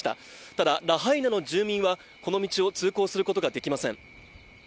ただラハイナの住民はこの道を通行することができません。